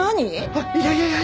あっいやいや。